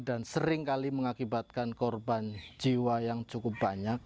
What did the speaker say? dan seringkali mengakibatkan korban jiwa yang cukup banyak